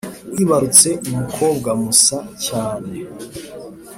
Wibarutse umukobwa musa cyane